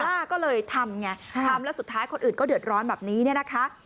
ก็เลยทำไงทำแล้วสุดท้ายคนอื่นก็เดือดร้อนแบบนี้เนี่ยนะคะ